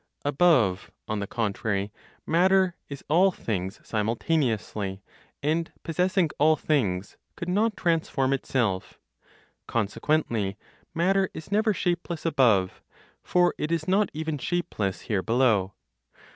Above, on the contrary, matter is all things simultaneously, and possessing all things, could not transform itself. Consequently, matter is never shapeless above; for it is not even shapeless here below.